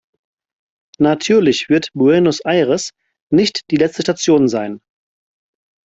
Natürlich wird Buenos Aires nicht die letzte Station sein.